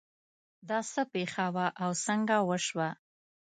دا څه پېښه وه او څنګه وشوه